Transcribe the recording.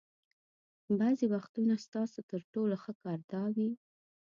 بعضې وختونه ستاسو تر ټولو ښه کار دا وي.